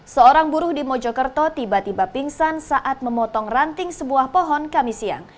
seorang buruh di mojokerto tiba tiba pingsan saat memotong ranting sebuah pohon kami siang